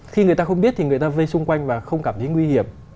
khi người ta không biết thì người ta vây xung quanh mà không cảm thấy nguy hiểm